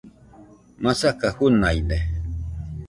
masaka junaide